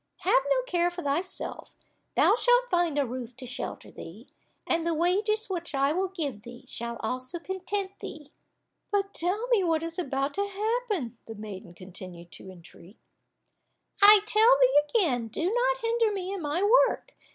Have no care for thyself, thou shalt find a roof to shelter thee, and the wages which I will give thee shall also content thee." "But tell me what is about to happen," the maiden continued to entreat. "I tell thee again, do not hinder me in my work.